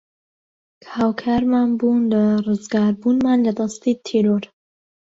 کە هاوکارمان بوون لە رزگاربوونمان لە دەستی تیرۆر